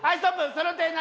その手何？